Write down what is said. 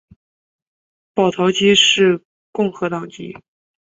保陶基是共和党籍。